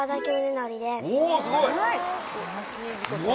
おすごい。